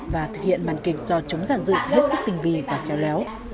và thực hiện màn kịch do chúng giản dự hết sức tinh vi và khéo léo